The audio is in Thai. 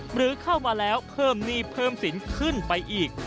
หรือเข้ามาแล้วเพิ่มหนี้เพิ่มสินขึ้นไปอีก